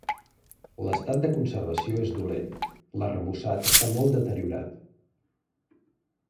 L'estat de conservació és dolent, l'arrebossat està molt deteriorat.